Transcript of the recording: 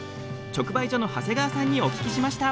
直売所の長谷川さんにお聞きしました。